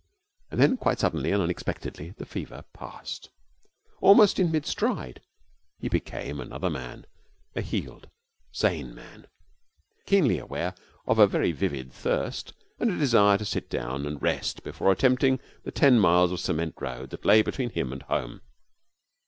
And then quite suddenly and unexpectedly the fever passed. Almost in mid stride he became another man, a healed, sane man, keenly aware of a very vivid thirst and a desire to sit down and rest before attempting the ten miles of cement road that lay between him and home.